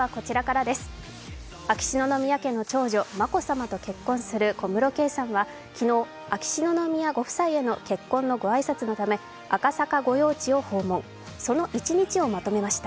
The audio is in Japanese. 秋篠宮家の長女・眞子さまと結婚する小室圭さんは昨日、昨日、秋篠宮ご夫妻への結婚のご挨拶のため赤坂御用地を訪問、その一日をまとめました。